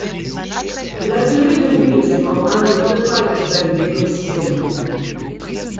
La durée de vie ces membranes ne peut pas être évaluée précisément.